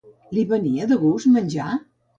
Li venia de gust menjar?